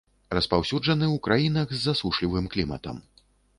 Распаўсюджаны ў краінах з засушлівым кліматам.